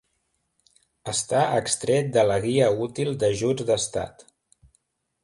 Està extret de la guia útil d'Ajuts d'Estat.